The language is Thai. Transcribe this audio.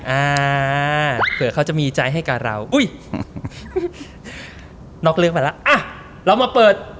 อ่าเผื่อเขาจะมีใจให้กับเราอุ้ยนอกเรื่องไปแล้วอ่ะเรามาเปิด